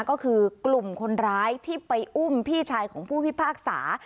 ก็คือกลุ่มคนร้ายที่ไปอุ้มพี่ชายของผู้พิพากษา